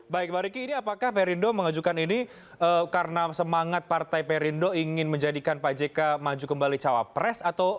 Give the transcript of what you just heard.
baik pak riki ini apakah perindo mengajukan ini karena semangat partai perindo ingin menjadikan pak jk maju kembali cawapres